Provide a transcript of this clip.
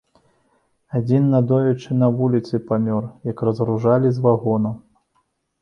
Адзін надоечы на вуліцы памёр, як разгружалі з вагонаў.